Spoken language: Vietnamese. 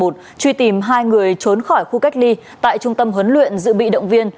truy tìm hai người trốn khỏi khu cách ly tại trung tâm huấn luyện dự bị động viên